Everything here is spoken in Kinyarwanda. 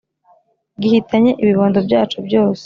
Gihitanye ibibondo byacu byose